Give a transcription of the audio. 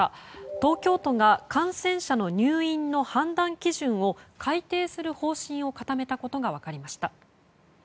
東京都が感染者の入院の判断基準を改定する方針を固めたことが分かりました。